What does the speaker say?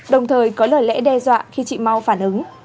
đồng thời có lời lẽ đe dọa khi chị mau phản ứng